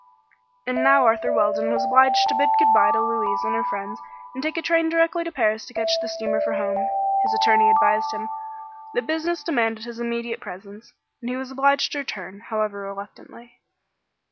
And now Arthur Weldon was obliged to bid good bye to Louise and her friends and take a train directly to Paris to catch the steamer for home. His attorney advised him that business demanded his immediate presence, and he was obliged to return, however reluctantly.